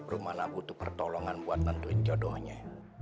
rumah nabu tuh pertolongan buat nentuin jodohnya